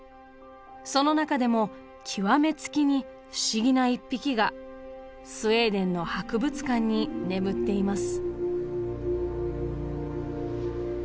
その中でも極め付きに不思議な一匹がスウェーデンの博物館に眠っています。